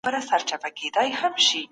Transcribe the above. چي سلطان و د عرب او عجمیانو